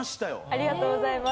ありがとうございます。